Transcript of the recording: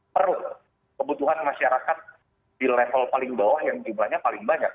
per kebutuhan masyarakat di level paling bawah yang jumlahnya paling banyak